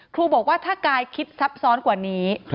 ครูบอกว่าถ้ากายคิดซับซ้อนกว่านี้